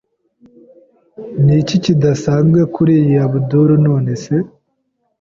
Niki kidasanzwe kuriyi Abdul, nonese?